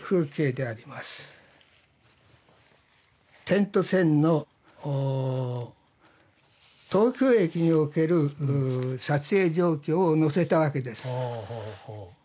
「点と線」の東京駅における撮影状況を載せたわけです。